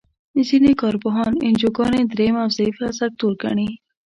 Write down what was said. ځینې کار پوهان انجوګانې دریم او ضعیفه سکتور ګڼي.